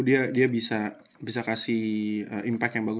dia bisa kasih impact yang bagus